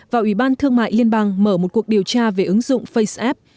và ủy ban thương mại liên bang mở một cuộc điều tra về ứng dụng faceapp